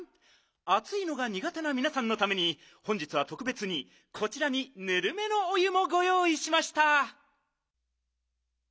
あついのがにがてなみなさんのために本日はとくべつにこちらにぬるめのお湯もごよういしました。